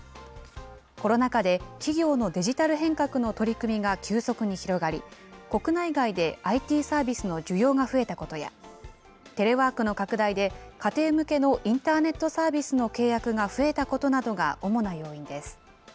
コロナ禍で企業のデジタル変革の取り組みが急速に広がり、国内外でＩＴサービスの需要が増えたことや、テレワークの拡大で家庭向けのインターネットサービスの契約が増えたことなどが主な要因です。